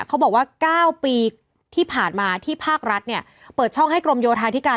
เขาบอกว่า๙ปีที่ผ่านมาที่ภาครัฐเนี่ยเปิดช่องให้กรมโยธาธิการ